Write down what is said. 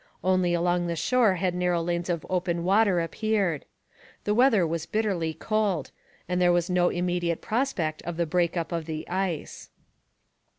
Only along the shore had narrow lanes of open water appeared. The weather was bitterly cold, and there was no immediate prospect of the break up of the ice.